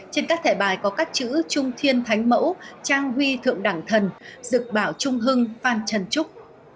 trên các thẻ bài có các chữ trung thiên thánh mẫu trang huy thượng đẳng thần dực bảo trung hưng phan trần trúc